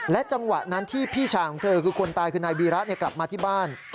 จังหวะนั้นที่พี่ชายของเธอคือคนตายคือนายวีระกลับมาที่บ้าน